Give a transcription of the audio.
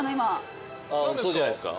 そうじゃないですか？